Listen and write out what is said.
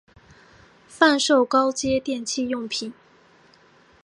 贩售高阶电器用品